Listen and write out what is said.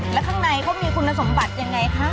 แล้วข้างในเขามีคุณสมบัติยังไงคะ